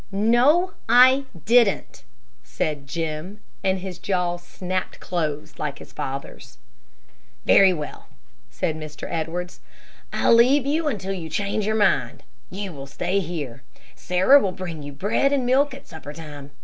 "No, I didn't!" said Jim, and his jaw snapped close like his father's. "Very well," said Mr. Edwards. "I'll leave you until you change your mind. You will stay here. Sarah will bring you bread and milk at supper time.